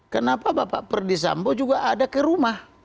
kenapa bapak perdisambo juga ada ke rumah